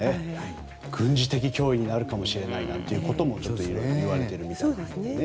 軍事的脅威になるかもしれないなんていうこともいわれているみたいですね。